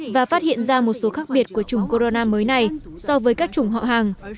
và phát hiện ra một số khác biệt của chủng corona mới này so với các chủng họ hàng